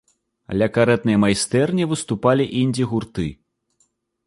Ля карэтнай майстэрні выступалі індзі-гурты.